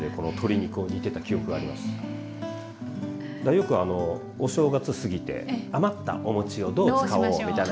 よくお正月過ぎて余ったお餅をどう使おうみたいな。